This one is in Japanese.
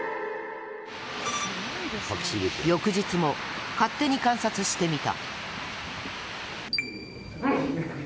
翌日も勝手に観察してみた。